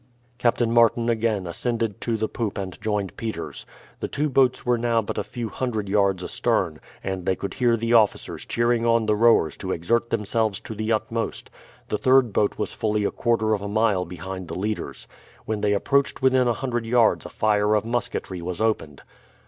Captain Martin again ascended to the poop and joined Peters. The two boats were now but a few hundred yards astern, and they could hear the officers cheering on the rowers to exert themselves to the utmost. The third boat was fully a quarter of a mile behind the leaders. When they approached within a hundred yards a fire of musketry was opened.